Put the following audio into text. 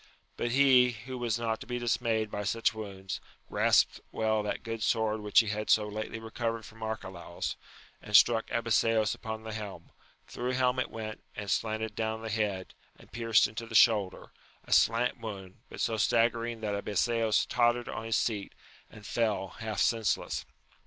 But he, who was not to be dismayed by such wounds, graspt well that good sword which he had so lately recovered from Arcalaus, and struck Abiseos upon the helm ; through helm it went, and slanted down the head, and pierced into the shoulder ; a slant wound, but so staggering that Abiseos tottered on his seat, and fell, half senseless.